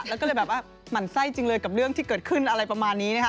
แล้วก็เลยแบบว่าหมั่นไส้จริงเลยกับเรื่องที่เกิดขึ้นอะไรประมาณนี้นะคะ